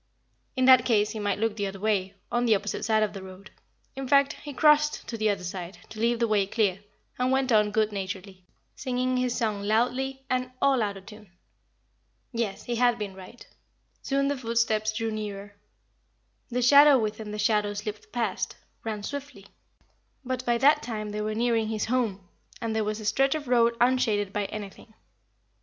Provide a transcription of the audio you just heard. In that case he might look the other way, on the opposite side of the road. In fact, he crossed to the other side to leave the way clear, and went on good naturedly, singing his song loudly and all out of tune. Yes, he had been right. Soon the footsteps drew nearer; the shadow within the shadow slipped past ran swiftly. But by that time they were nearing his home, and there was a stretch of road unshaded by anything.